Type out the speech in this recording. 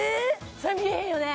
そりゃ見えへんよね？